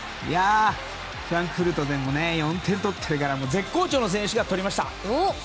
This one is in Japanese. フランクフルトでも４点取っているから絶好調の選手が取りました。